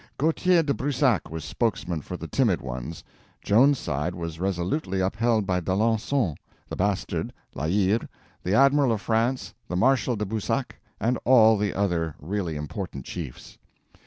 Gautier de Brusac was spokesman for the timid ones; Joan's side was resolutely upheld by d'Alencon, the Bastard, La Hire, the Admiral of France, the Marshal de Boussac, and all the other really important chiefs.